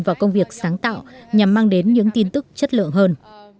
vào công việc sáng tạo nhằm mang đến những tin tức chất lượng hơn